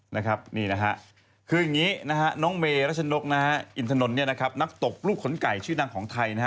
แบบนี้น้องเมละชนกอินทนนนักตบลูกขนไก่ชื่อดังของไทย